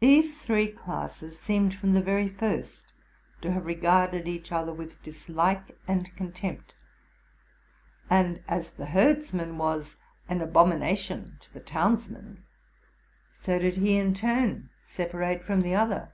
These three classes seemed from the very first to have regarded each other with dislike and contempt; and as the herdsman was an abomination to the townsman, so did he in turn separate from the other.